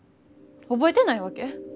覚えてないわけ？